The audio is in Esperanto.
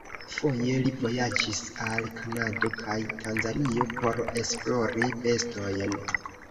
Foje li vojaĝis al Kanado kaj Tanzanio por esplori bestojn.